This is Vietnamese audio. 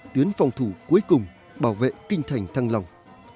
tuyến phòng thủ cuối cùng bảo vệ kinh thành thăng long